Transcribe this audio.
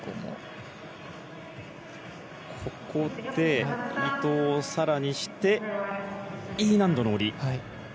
ここで移動を更にしてＥ難度の下り。